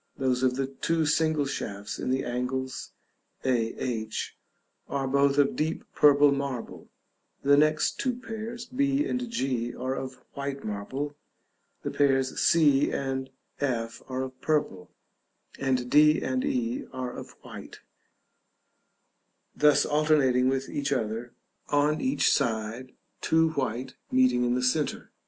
Those of the two single shafts in the angles (a, h) are both of deep purple marble; the two next pairs, b and g, are of white marble; the pairs c and f are of purple, and d and e are of white: thus alternating with each other on each side; two white meeting in the centre.